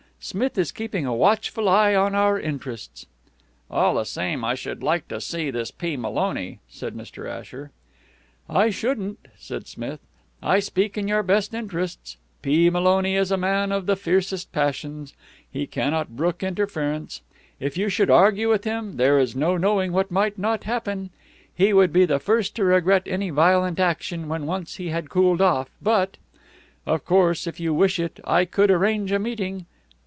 Smith is keeping a watchful eye on our interests.'" "All the same, I should like to see this P. Maloney," said Mr. Asher. "I shouldn't," said Smith. "I speak in your best interests. P. Maloney is a man of the fiercest passions. He cannot brook interference. If you should argue with him, there is no knowing what might not happen. He would be the first to regret any violent action, when once he had cooled off, but Of course, if you wish it I could arrange a meeting.